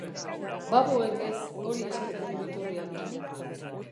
Baboek ez, hori esaten du Iturriak.